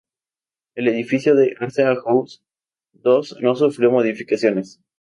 El edificio del Arsenal House dos no sufrió modificaciones.